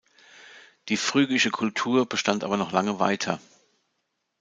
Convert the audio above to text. Die phrygische Kultur bestand aber noch lange weiter.